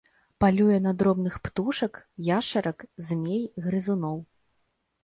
Палюе на дробных птушак, яшчарак, змей, грызуноў.